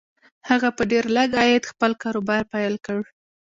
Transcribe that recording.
هغه په ډېر لږ عايد خپل کاروبار پيل کړ.